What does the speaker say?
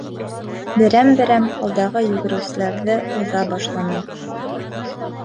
Берәм-берәм алдағы йүгереүселәрҙе уҙа башланым.